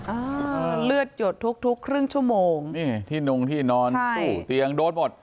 อ่าเลือดหยดทุกทุกครึ่งชั่วโมงนี่ที่นงที่นอนตู้เตียงโดนหมด